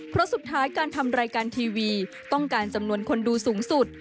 เพราะสุดท้ายการทำรายการทีวีต้องการจำนวนคนดูสูงสุด